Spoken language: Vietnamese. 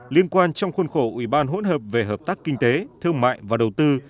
liên quan trong khuôn khổ ủy ban hỗn hợp về hợp tác kinh tế thương mại và đầu tư